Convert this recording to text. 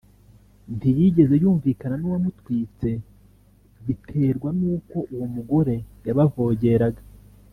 ntiyigeze yumvikana n’uwamutwitse biterwa n’uko uwo mugore yabavogeraga